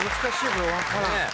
これわからん。